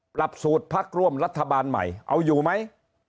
ปรับสูตรพักร่วมรัฐบาลใหม่เอาอยู่ไหม